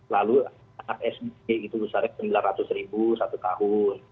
lalu anak sd itu usahanya rp sembilan ratus satu tahun